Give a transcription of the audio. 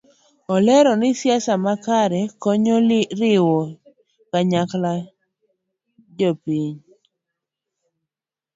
Olero ni siasa makare konyo e riwo kanyakla jopiny